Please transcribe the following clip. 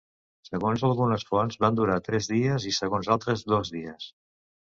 Segons algunes fonts va durar tres dies i segons altres dos dies.